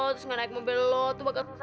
terus gak naik mobil lo tuh bakal sengsara